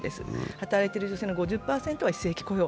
抱えている女性の５０％が非正規雇用。